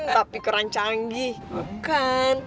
tapi kurang canggih bukan